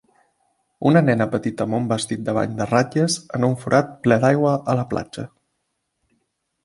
Una nena petita amb un vestit de bany de ratlles en un forat ple d'aigua a la platja.